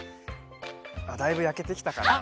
あっだいぶやけてきたかな。